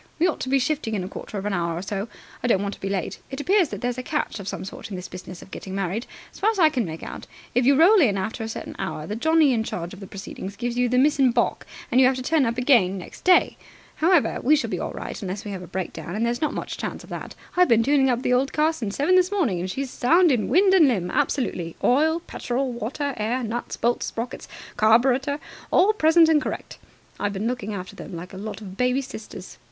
"We ought to be shifting in a quarter of an hour or so. I don't want to be late. It appears that there's a catch of some sort in this business of getting married. As far as I can make out, if you roll in after a certain hour, the Johnnie in charge of the proceedings gives you the miss in baulk, and you have to turn up again next day. However, we shall be all right unless we have a breakdown, and there's not much chance of that. I've been tuning up the old car since seven this morning, and she's sound in wind and limb, absolutely. Oil petrol water air nuts bolts sprockets carburetor all present and correct. I've been looking after them like a lot of baby sisters.